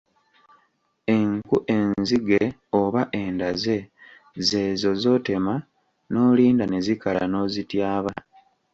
Enku enzige oba endaze z’ezo z’otema n’olinda ne zikala n’ozityaba.